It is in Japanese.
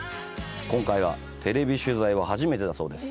今回がテレビ取材は初めてだそうです。